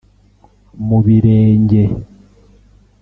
mu birenge